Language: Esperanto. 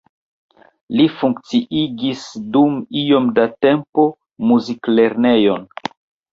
Li funkciigis dum iom da tempo muziklernejon.